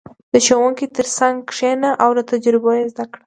• د ښوونکي تر څنګ کښېنه او له تجربو یې زده کړه.